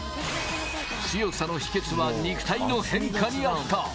強さの秘訣は肉体の変化にあった。